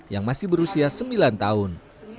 yang masih berusia sembilan tahun